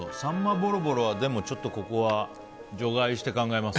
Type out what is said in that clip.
ぼろぼろは、でもちょっとここは除外して考えます。